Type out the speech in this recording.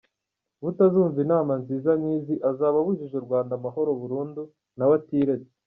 Utazumva inama nziza nk’izi, azaba abujije u Rwanda amahoro burundu, na we atiretse!